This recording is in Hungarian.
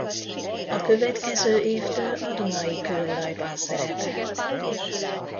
A következő évtől a Dunai Kőolajban szerepelt.